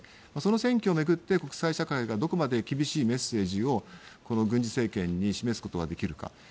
その総選挙を巡って国際社会がどこまで厳しいメッセージを軍事政権に示すことができるか。